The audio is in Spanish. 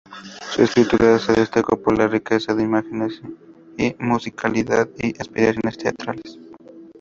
Su escritura se destacó por la riqueza de imágenes y musicalidad y aspiraciones teatrales.